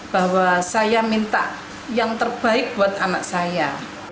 bahwa saya minta yang terbaik buat anak saya